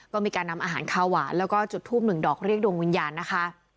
ก็มีการนำอาหารข้าวหวานแล้วก็จุดทูปหนึ่งดอกเรียกดวงวิญญาณนะคะ